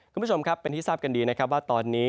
คุณผู้ชมครับเป็นที่ทราบกันดีนะครับว่าตอนนี้